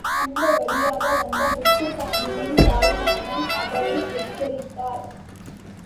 அந்த வழியாக வந்த முத்துப்பாண்டியின் தாய்மாமன் அவளை எச்சரித்தார்.